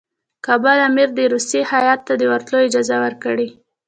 کابل امیر دي روسي هیات ته د ورتلو اجازه ورکړي.